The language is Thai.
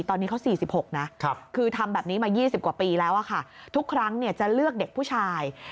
ตอนนี้เขา๔๖นะคือทำแบบนี้มา๒๐กว่าปีแล้วค่ะทุกครั้งจะเลือกเด็กผู้ชาย